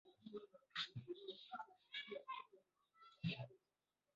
Ĝi havas enirejon por la kelo, pli supre estas la duobla ĉefenirejo.